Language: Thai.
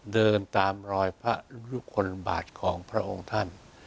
เดินตามรอยพระรุคลบาทของพระองค์ท่าน